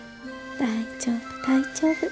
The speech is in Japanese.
大丈夫大丈夫。